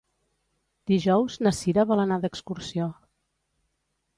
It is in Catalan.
Dijous na Cira vol anar d'excursió.